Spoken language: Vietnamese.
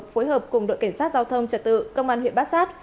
phối hợp cùng đội cảnh sát giao thông trật tự công an huyện bát sát